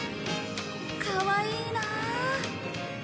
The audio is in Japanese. かわいいなあ